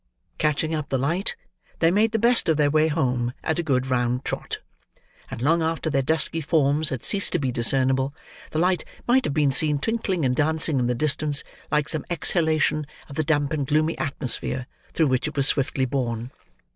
Catching up the light, they made the best of their way home, at a good round trot; and long after their dusky forms had ceased to be discernible, the light might have been seen twinkling and dancing in the distance, like some exhalation of the damp and gloomy atmosphere through which it was swiftly borne.